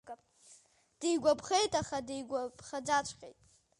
Дигәаԥхеит, аха дигәаԥхаӡаҵәҟьеит.